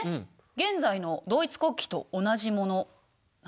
現在のドイツ国旗と同じものなんだけど。